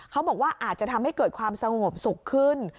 เขาบอกว่าอาจจะทำให้เกิดความสงบสุขขึ้น